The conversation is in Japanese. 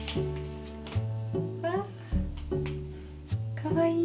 かわいい！